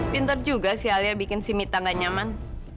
pinter juga sih alia bikin si mita gak nyaman